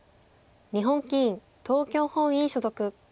日本棋院東京本院所属。